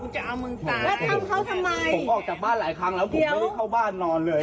แล้วผมไม่ได้เข้าบ้านนอนเลย